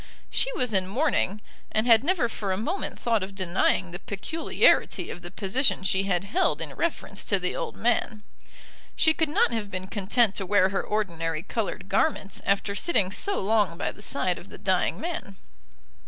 She was in mourning, and had never for a moment thought of denying the peculiarity of the position she had held in reference to the old man. She could not have been content to wear her ordinary coloured garments after sitting so long by the side of the dying man.